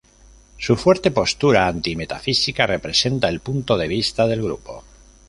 Su fuerte postura anti-metafísica representa el punto de vista del grupo.